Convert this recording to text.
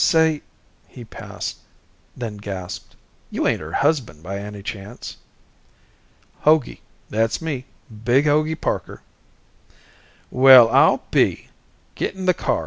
Say " He paused, then gaped. "You ain't her husband by any chance?" "Hogey, that's me. Big Hogey Parker." "Well, I'll be ! Get in the car.